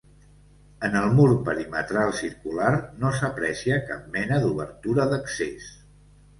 En el mur perimetral circular no s'aprecia cap mena d'obertura d'accés.